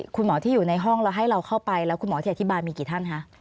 คุณหมอที่อยู่ในห้องแล้วให้เราเข้าไปแล้วคุณหมอที่อธิบายมีกี่ท่านคะ